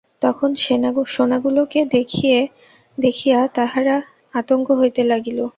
তখন সোনাগুলাকে দেখিয়া তাহার আতঙ্ক হইতে লাগিল।